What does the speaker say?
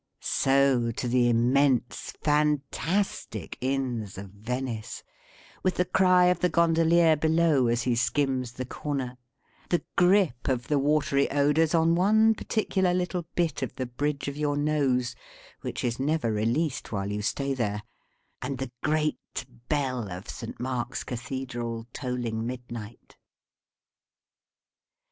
So to the immense fantastic Inns of Venice, with the cry of the gondolier below, as he skims the corner; the grip of the watery odours on one particular little bit of the bridge of your nose (which is never released while you stay there); and the great bell of St. Mark's Cathedral tolling midnight.